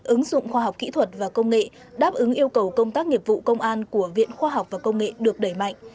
ứng dụng khoa học kỹ thuật và công nghệ đáp ứng yêu cầu công tác nghiệp vụ công an của viện khoa học và công nghệ được đẩy mạnh